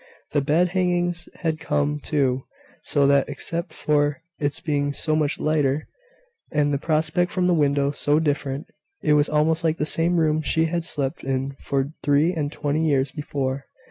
The bed hangings had come, too; so that, except for its being so much lighter, and the prospect from the window so different, it was almost like the same room she had slept in for three and twenty years before.